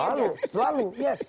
selalu selalu yes